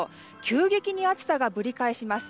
急激に暑さがぶり返します。